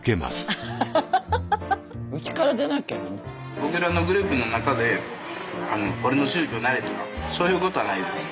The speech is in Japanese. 僕らのグループの中で俺の宗教なれとかそういうことはないです